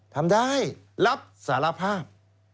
ทำได้รับสารภาพ